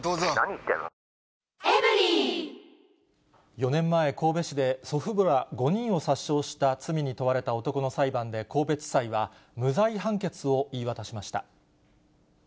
４年前、神戸市で、祖父母ら５人を殺傷した罪に問われた男の裁判で神戸地裁は、無罪判決を言い渡しました。